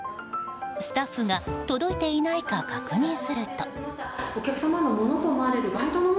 スタッフが届いていないか確認すると。